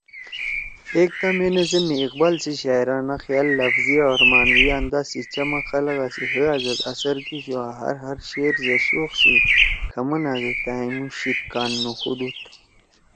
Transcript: ”ایک تا مے نظم می اقبال سی شاعرانہ خیال، لفظی او معنوی انداز سی چمک خلَگا سی حیِا زید اثر کیِشُو آں ہر ہر شعر زید شوق سی کھمنا زید تھأئںمُو شیِدکان نُوخُودُود